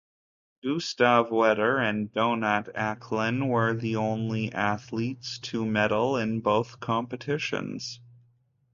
Gustav Weder and Donat Acklin were the only athletes to medal in both competitions.